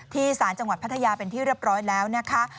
ศาลจังหวัดพัทยาเป็นที่เรียบร้อยแล้วนะคะ